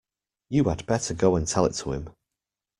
You had better go and tell it to him.